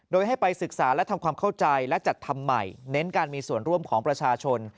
โดยให้ไปศึกษาและทำความเข้าใจและจัดทำใหม่เน้นการมีส่วนร่วมของประชาชน